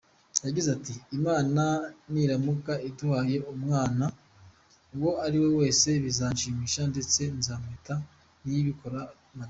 Yagize ati “ Imana niramuka iduhaye umwana uwo ariwe wese bizanshimisha ndetse nzamwita Niyibikora Madiba.